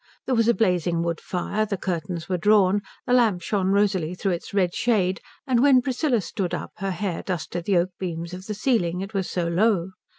There was a blazing wood fire, the curtains were drawn, the lamp shone rosily through its red shade, and when Priscilla stood up her hair dusted the oak beams of the ceiling, it was so low.